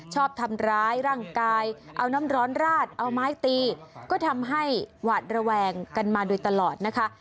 ชอบทำร้ายร่างกายเอาน้ำร้อนราดเอาไม้ตีก็ทำให้หวาดระแวงกันมาโดยตลอดนะคะ